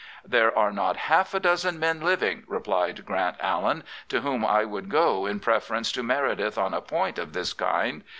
" There are not half a dozen men living," replied Grant Allen, to whom I would go in preference to Meredith on a point of this kind.